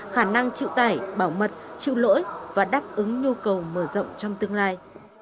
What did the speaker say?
khả năng chịu tải bảo mật chịu lỗi và đáp ứng nhu cầu mở rộng trong tương lai